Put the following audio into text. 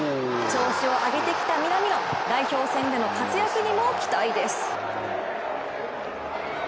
調子を上げてきた南野代表戦での活躍にも期待です。